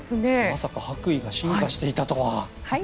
まさか白衣が進化していたとは。